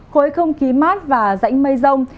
khối không khí mát và rãnh mây rông